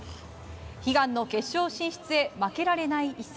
悲願の決勝進出へ負けられない一戦。